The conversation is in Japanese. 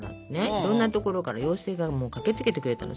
いろんなところから妖精が駆けつけてくれたの。